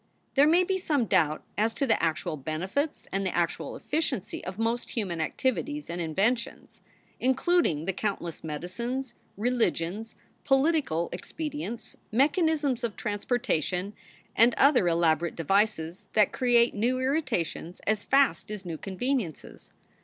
There may be some doubt as to the actual benefits and the actual efficiency of most human activities and inventions, including the countless medicines, religions, political expedi ents, mechanisms of transportation, and other elaborate devices that create new irritations as fast as new conveni ences.